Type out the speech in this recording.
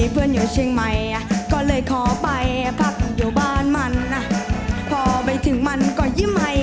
เปลี่ยงไว้